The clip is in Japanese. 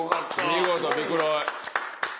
見事ビクロイ。